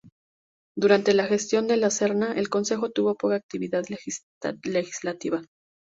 Durante la gestión de La Serna, el concejo tuvo poca actividad legislativa.